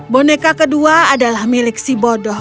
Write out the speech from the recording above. boneka kedua adalah milik si bodoh